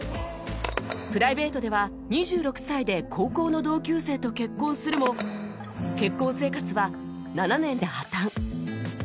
プライベートでは２６歳で高校の同級生と結婚するも結婚生活は７年で破綻